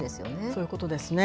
そういうことですね。